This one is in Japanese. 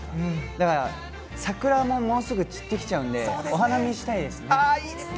だから桜ももうすぐ散ってきちゃうんで、お花見したいですね。